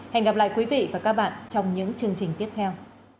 hẹn gặp lại quý vị và các bạn trong những chương trình tiếp theo